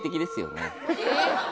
えっ。